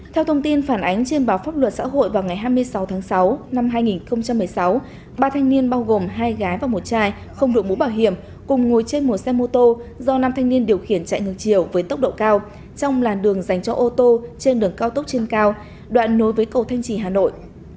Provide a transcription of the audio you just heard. theo thông tin phản ánh trên báo pháp luật xã hội vào ngày hai mươi sáu tháng sáu năm hai nghìn một mươi sáu ba thanh niên bao gồm hai gái và một chai không đổi mũ bảo hiểm cùng ngồi trên một xe mô tô do nam thanh niên điều khiển chạy ngược chiều với tốc độ cao trong làn đường dành cho ô tô trên đường cao tốc trên cao đoạn nối với cầu thanh trì hà nội